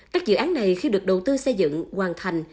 các dự án này khi được đầu tư xây dựng hoàn thành